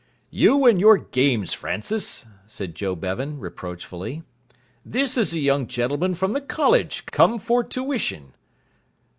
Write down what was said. "You and your games, Francis!" said Joe Bevan, reproachfully. "This is a young gentleman from the college come for tuition."